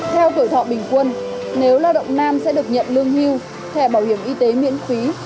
theo tuổi thọ bình quân nếu lao động nam sẽ được nhận lương hưu thẻ bảo hiểm y tế miễn phí